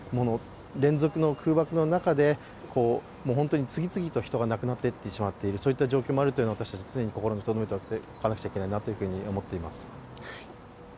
連続の空爆の中で本当に次々と人が亡くなっていってしまっているということを私たち、常に心にとどめておかなきゃいけないと思っています。